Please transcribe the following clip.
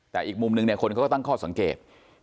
แต่อีกมุมหนึ่งคนก็ตั้งข้อสังเกต